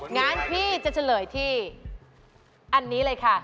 งั้นพี่จะเฉลยที่อันนี้เลยค่ะ